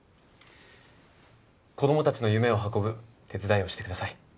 子供たちの夢を運ぶ手伝いをしてください。